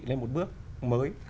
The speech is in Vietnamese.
lên một bước mới